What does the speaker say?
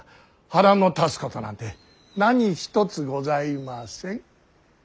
腹の立つことなんて何一つございません。